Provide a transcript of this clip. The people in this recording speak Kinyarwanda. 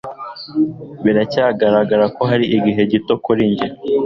Biracyagaragara ko ari igihe gito kuri njye